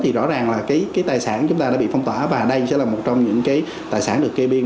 thì rõ ràng là cái tài sản chúng ta đã bị phong tỏa và đây sẽ là một trong những cái tài sản được kê biên